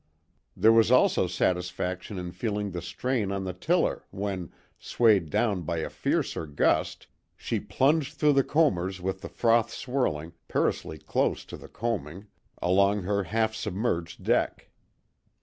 There was also satisfaction in feeling the strain on the tiller when, swayed down by a fiercer gust, she plunged through the combers with the froth swirling, perilously close to the coaming, along her half submerged deck.